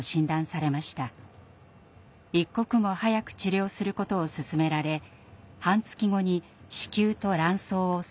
一刻も早く治療することを勧められ半月後に子宮と卵巣を全て摘出しました。